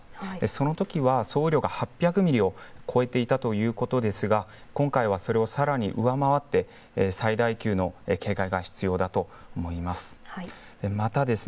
そのときは総雨量が８００ミリを超えていたということですが今回はそれをさらに上回って最大級の警戒が必要だと思います。